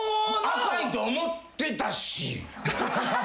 赤いと思ってたし。